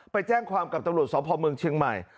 ไปแจ้งความกับตำรวจสพเมืองเชียงใหม่